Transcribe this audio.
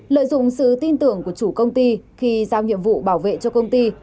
lợi dụng sự tin tưởng của chủ công ty khi giao nhiệm vụ bảo vệ cho công ty